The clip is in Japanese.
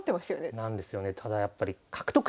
なんですよね。